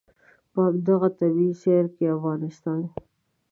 په همدغه طبعي سیر کې افغانستان.